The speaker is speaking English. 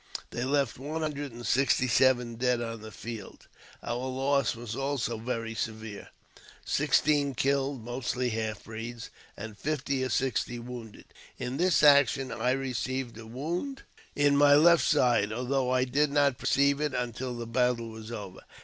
They left one hundred and sixty seven dead on the field. Our loss was also very severe ; sixteen killed, mostly half breeds, and fifty or sixty wounded. In this action I received a wound in my left side, although I did not perceive it until thfe battle was over.